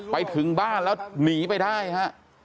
ไปถึงบ้านแล้วหนีไปได้ฮะ